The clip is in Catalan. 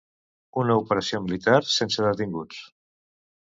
Una operació militar sense detinguts.